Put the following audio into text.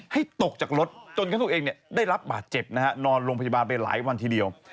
ให้ตกจากรถจนการถูกเองได้รับบาดเจ็บนอนลงพยาบาลไปหลายวันทีเดียว